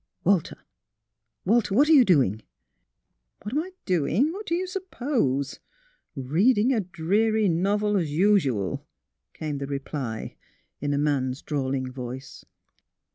'' Walter — Walter! What are you doing? "" What am I doing? What d' you suppose? — Reading a dreary novel, as usual," came the reply, in a man's drawling voice.